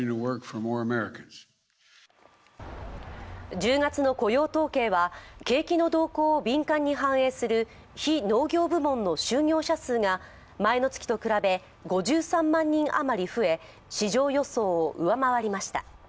１０月の雇用統計は、景気の動向を敏感に反映する非農業部門の就業者数が、前の月と比べ５３万人余り増え、市場予想を上回りました。